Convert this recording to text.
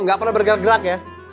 gak pernah bergerak gerak ya